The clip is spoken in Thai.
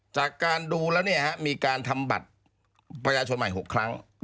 จากการดูแล้วมีการทำบัตรประชาชนใหม่๖ครั้ง